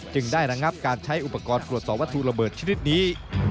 จึงได้ระงับการใช้อุปกรณ์ตรวจสอบวัตถุระเบิดชนิดนี้